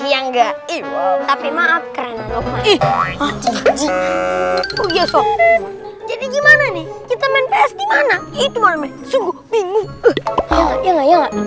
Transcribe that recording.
yang ga iwaw tapi maaf keren ih jadi gimana nih kita main psd mana itu sungguh bingung